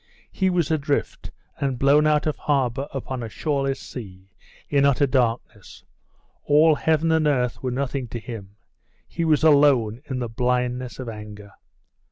He was adrift, and blown out of harbour upon a shoreless sea, in utter darkness; all heaven and earth were nothing to him. He was alone in the blindness of anger.